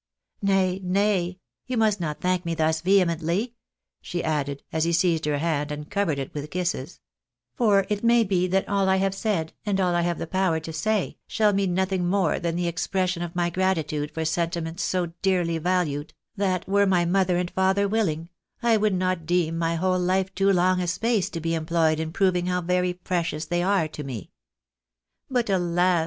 Nay, nay, you must not thank me thus vehemently," she added, as he seized her hand and covered it with kisses ;" for it may be that all I have said, and all I have the power to say, shall mean nothing more than the expression of my grati tude for sentiments so dearly valued, that were my mother and HOPES OF FUTURE HAmNESS. 329 father willing, I would not deem my whole life too long a space to be employed in proving how very precious they are to me. But, alas!